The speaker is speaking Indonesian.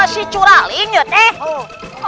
si curaling ya teh